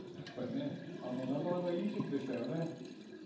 なかなかいいチームでしたね。